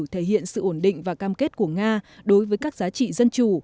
thể hiện sự ổn định và cam kết của nga đối với các giá trị dân chủ